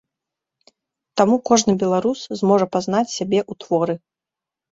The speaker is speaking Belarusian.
Таму кожны беларус зможа пазнаць сябе ў творы.